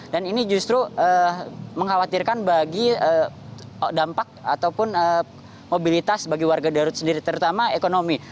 dan ini justru mengkhawatirkan bagi dampak ataupun mobilitas bagi warga garut sendiri terutama ekonomi